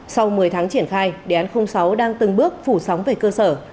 sau một mươi tháng triển khai đề án sáu đang từng bước phủ sóng về cơ sở